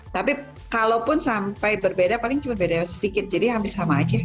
tapi kalau pun sampai berbeda paling cuma beda sedikit jadi hampir sama saja